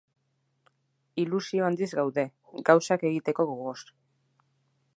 Ilusio handiz gaude, gauzak egiteko gogoz.